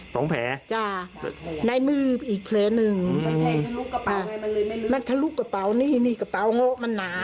สองแผลในมืออีกแผลหนึ่งมันถ้าลุกกระเป๋านี่นี่กระเป๋าโง่มันหนา